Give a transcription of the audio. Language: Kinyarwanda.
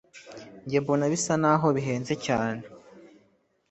njye mbona bisa naho bihenze cyane